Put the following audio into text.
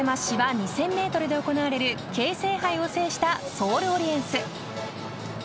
２０００メートルで行われる京成杯を制したソールオリエンス。